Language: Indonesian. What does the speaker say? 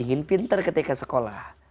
ingin pintar ketika sekolah